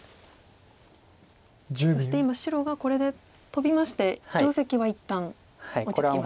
そして今白がこれでトビまして定石は一旦落ち着きましたか。